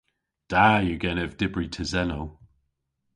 Da yw genev dybri tesennow.